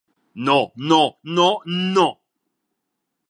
No, no, no, no!